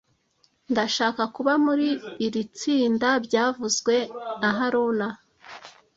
Ndashaka kuba muri iri tsinda byavuzwe na haruna